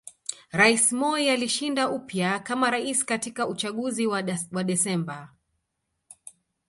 Rais Moi alishinda upya kama Rais katika uchaguzi wa Desemba